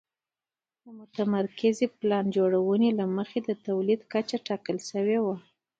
د متمرکزې پلان جوړونې له مخې د تولید کچه ټاکل شوې وه